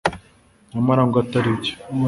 nyamara ngo atari byo.